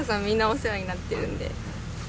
みんなお世話になってるんで。